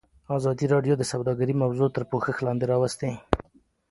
ازادي راډیو د سوداګري موضوع تر پوښښ لاندې راوستې.